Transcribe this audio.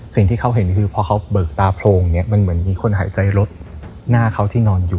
สิ่งที่เขาเห็นคือพอเขาเบิกตาโพรงเนี่ยมันเหมือนมีคนหายใจรถหน้าเขาที่นอนอยู่